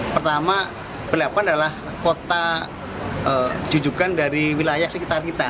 pertama delapan adalah kota dudukan dari wilayah sekitar kita